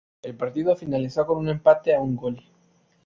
El partido finalizó con un empate a un gol.